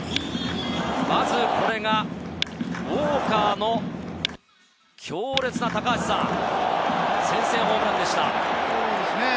まずこれが、ウォーカーの強烈な先制ホームランでした。